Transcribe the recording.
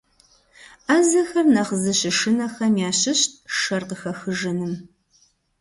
Ӏэзэхэр нэхъ зыщышынэхэм ящыщт шэр къыхэхыжыным.